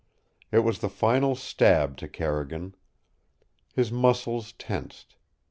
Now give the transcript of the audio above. It was the final stab to Carrigan. His muscles tensed.